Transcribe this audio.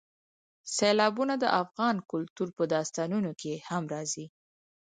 سیلابونه د افغان کلتور په داستانونو کې هم راځي.